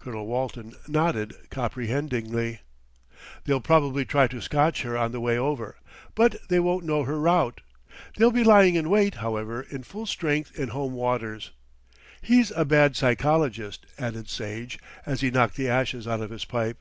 Colonel Walton nodded comprehendingly. "They'll probably try to scotch her on the way over; but they won't know her route. They'll be lying in wait, however, in full strength in home waters. He's a bad psychologist," added Sage, as he knocked the ashes out of his pipe.